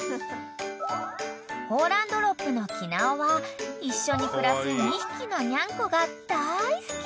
［ホーランドロップのきなおは一緒に暮らす２匹のニャンコが大好き］